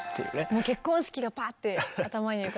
もう結婚式がパッて頭に浮かびますね。